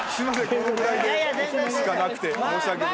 このぐらいでしかなくて申し訳ございません。